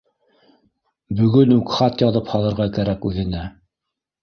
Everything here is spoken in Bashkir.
Бөгөн үк хат яҙып һалырға кәрәк үҙенә